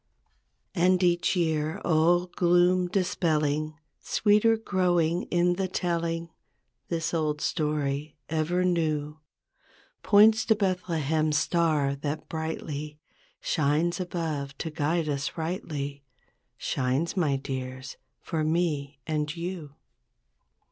"And each year, all gloom dispelling. Sweeter growing in the telling. This old story, ever new, Points to Bethlehem's star that brightly Shines above to guide us rightly, Shines, my dears, for me and you.